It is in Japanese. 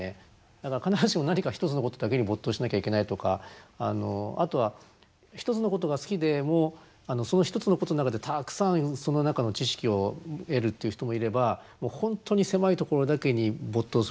だから必ずしも何か一つのことだけに没頭しなきゃいけないとかあとは一つのことが好きでもその一つのことの中でたくさんその中の知識を得るっていう人もいれば本当に狭いところだけに没頭するっていう人もいるんですね。